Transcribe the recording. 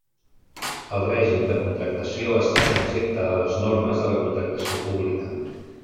El règim de contractació està subjecte a les normes de la contractació pública.